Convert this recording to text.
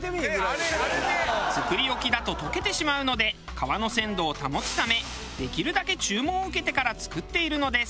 作り置きだと溶けてしまうので皮の鮮度を保つためできるだけ注文を受けてから作っているのです。